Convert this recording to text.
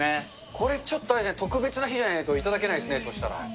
これちょっと特別な日じゃないと頂けないですね、そうしたら。